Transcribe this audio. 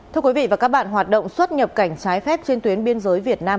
thưa quý vị và các bạn hoạt động xuất nhập cảnh trái phép trên tuyến biên giới việt nam